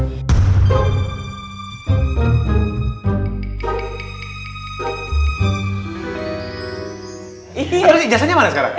atau sih ijazahnya mana sekarang